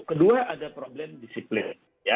kedua ada problem disiplin